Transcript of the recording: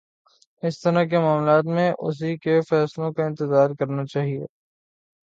اِس طرح کے معاملات میں اُسی کے فیصلوں کا انتظار کرنا چاہیے